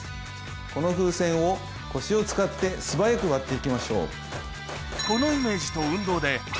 この風船を腰を使って素早く割って行きましょう。